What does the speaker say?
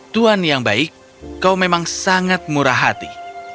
tuhan yang baik kau memang sangat murah hati